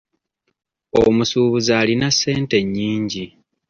Omusuubuzi alina ssente nnyingi.